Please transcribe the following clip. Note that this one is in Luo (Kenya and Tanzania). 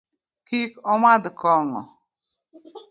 Kik omadh kong'o.